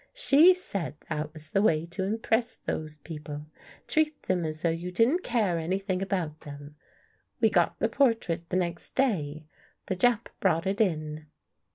She said that was the way to impress those people — treat them as though you didn't care any thing about them. We got the portrait the next day. The Jap brought it in."